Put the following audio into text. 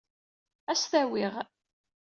Ad as-t-awiɣ.